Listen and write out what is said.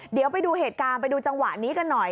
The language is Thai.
เดี๋ยวไปดูเหตุการณ์ไปดูจังหวะนี้กันหน่อย